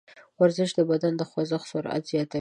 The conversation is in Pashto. ورزش د بدن د خوځښت سرعت زیاتوي.